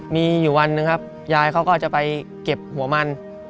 มีอยู่วันหนึ่งครับยายเขาก็จะไปเก็บหัวมัน